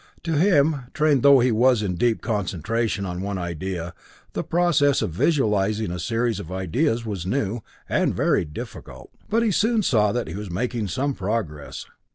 To him, trained though he was in deep concentration on one idea, the process of visualizing a series of ideas was new, and very difficult. But he soon saw that he was making some progress.